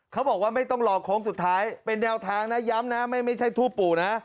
เขาบอกว่าไม่ต้องรอโค้งสุดท้ายเป็นแนวทางนะย้ำนะไม่ใช่ทูปปู่นะ